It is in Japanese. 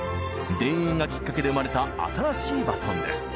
「田園」がきっかけで生まれた新しいバトンです。